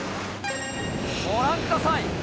ご覧ください